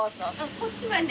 こっちはね